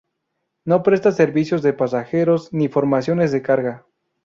No presta servicios de pasajeros ni formaciones de carga.